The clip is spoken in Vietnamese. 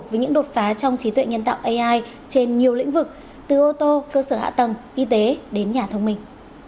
với những đột phá trong trí tuệ nhân tạo ai trên nhiều lĩnh vực từ ô tô cơ sở hạ tầng y tế đến nhà thông minh